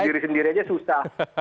diri sendiri aja susah